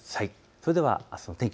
それではあすの天気